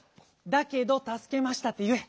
「『だけど』たすけました」っていえ。